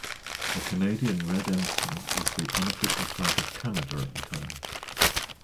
The Canadian Red Ensign was the unofficial flag of Canada at the time.